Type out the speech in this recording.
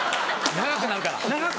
長くなるから。